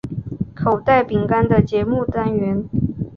口袋饼干的节目单元。